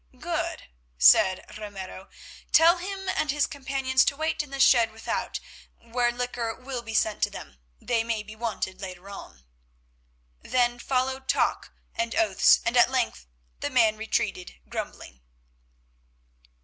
"Good," said Ramiro. "Tell him and his companions to wait in the shed without, where liquor will be sent to them; they may be wanted later on." Then followed talk and oaths, and at length the man retreated grumbling.